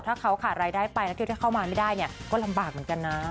ถ้าเขาขาดรายได้ไปนักเที่ยวถ้าเข้ามาไม่ได้เนี่ยก็ลำบากเหมือนกันนะ